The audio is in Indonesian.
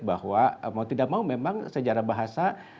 bahwa mau tidak mau memang sejarah bahasa